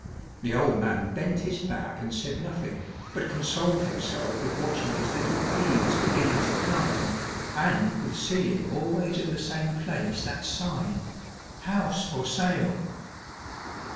The old man bent his back and said nothing, but consoled himself with watching his little peas beginning to chmb, and House for Sale ! 249 with seeing always in the same place that sign, House for Sale